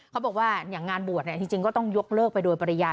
เขาบอกว่างานบวชเนี่ยที่จริงก็ต้องยกเลิกไปโดยปริญญา